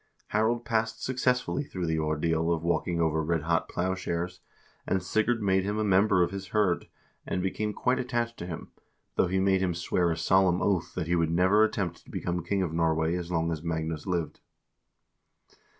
Harald passed successfully through the ordeal of walking over red hot plowshares, and Sigurd made him a member of his hird and became quite attached THE PERIOD OF CIVIL WARS 339 to him, though he made him swear a solemn oath that he would never attempt to become king of Norway as long as Magnus lived.